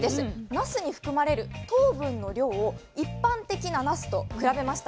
なすに含まれる糖分の量を一般的ななすと比べました。